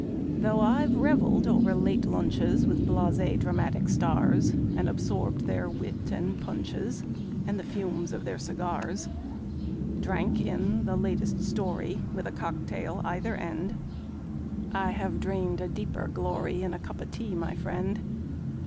Though I've reveled o'er late lunches With blasé dramatic stars, And absorbed their wit and punches And the fumes of their cigars Drank in the latest story, With a cock tail either end, I have drained a deeper glory In a cup of tea, my friend.